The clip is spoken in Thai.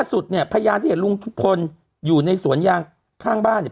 สุดเนี่ยพยานที่เห็นลุงทุกคนอยู่ในสวนยางข้างบ้านเนี่ย